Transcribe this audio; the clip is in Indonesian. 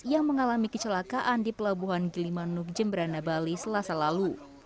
yang mengalami kecelakaan di pelabuhan gilimanuk jemberana bali selasa lalu